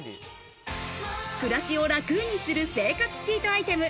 暮らしを楽にする生活チートアイテム。